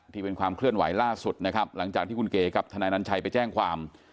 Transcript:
ที่เป็นความเคลื่อนไหวล่าสุดนะครับหลังจากที่คุณเก๋กับทนายนัญชัยไปแจ้งความ